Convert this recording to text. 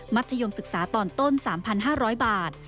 ธยมศึกษาตอนต้น๓๕๐๐บาท